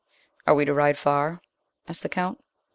"Are we to ride far?" asked the Count.